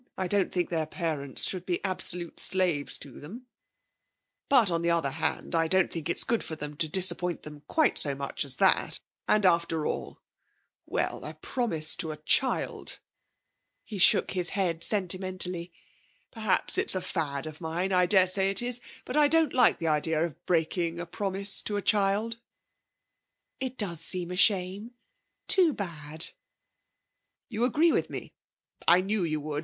I don't think their parents should be absolute slaves to them; but, on the other hand, I don't think it's good for them to disappoint them quite so much as that; and, after all well, a promise to a child!' He shook his head sentimentally. 'Perhaps it's a fad of mine; I daresay it is; but I don't like the idea of breaking a promise to a child!' 'It does seem a shame. Too bad.' 'You agree with me? I knew you would.